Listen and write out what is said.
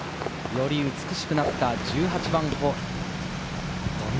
より美しくなった１８番ホール。